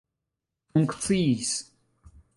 funkciis